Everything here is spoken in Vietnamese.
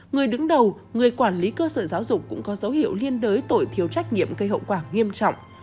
người đứng đầu người quản lý cơ sở giáo dục cũng có dấu hiệu liên đới tội thiếu trách nhiệm gây hậu quả nghiêm trọng